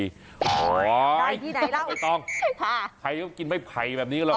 อร่อยไม่ต้องใครก็กินไม้ไผ่แบบนี้หรือ